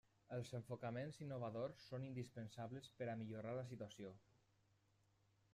Els enfocaments innovadors són indispensables per a millorar la situació.